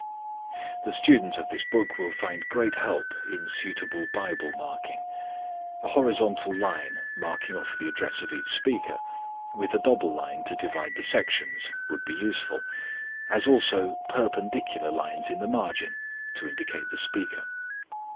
The student of this book will find great help in suitable Bible marking. A horizontal line marking off the address of each speaker, with a double line to divide the sections, would be useful, as also perpendicular lines in the margin to indicate the speaker.